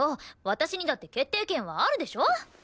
私にだって決定権はあるでしょ？